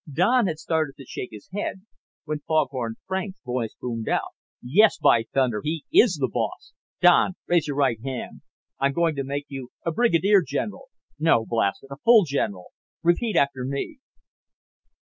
Don had started to shake his head when Foghorn Frank's voice boomed out. "Yes, by thunder, he is the boss! Don, raise your right hand. I'm going to make you a brigadier general. No, blast it, a full general. Repeat after me...."